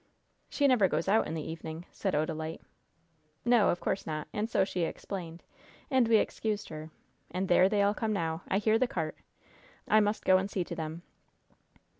"She never goes out in the evening," said Odalite. "No, of course not. And so she explained, and we excused her. And there they all come now! I hear the cart! I must go and see to them."